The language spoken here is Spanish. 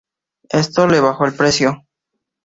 Esto le bajó el precio.